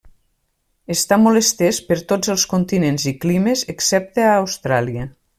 Està molt estès per tots els continents i climes excepte a Austràlia.